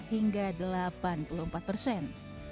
hingga delapan puluh empat persen